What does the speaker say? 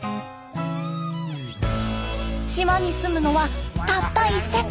島に住むのはたった１世帯。